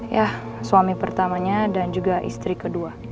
ya suami pertamanya dan juga istri kedua